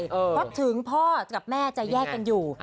เพราะถึงพ่อกับแม่จะแยกกันอยู่